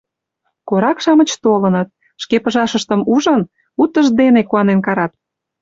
Корак-шамыч толыныт, шке пыжашыштым ужын, утыждене куанен карат.